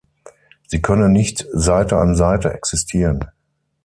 Sie können nicht Seite an Seite existieren.